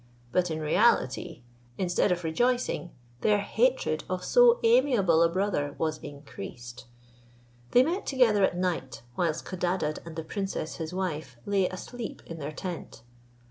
But in reality, instead of rejoicing, their hatred of so amiable a brother was increased. They met together at night, whilst Codadad and the princess his wife lay asleep in their tent.